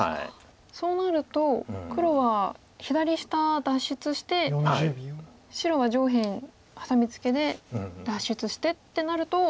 そうなると黒は左下脱出して白は上辺ハサミツケで脱出してってなると。